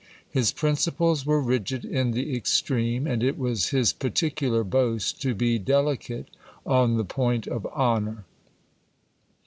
His principles were rigid in the extreme ; and it was his particular boast to be delicate on the point of honour.